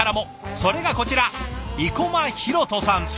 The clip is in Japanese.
それがこちら生駒大翔さん。